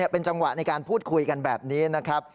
เป็นจังหวะในการพูดคุยกันแบบนี้นะครับ